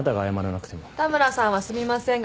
田村さんは「すみません」が口癖。